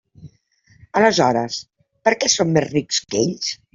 Aleshores, ¿per què som més rics que ells?